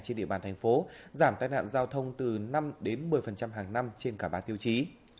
trên địa bàn thành phố giảm tai nạn giao thông từ năm đến một mươi hàng năm trên cả ba tiêu chí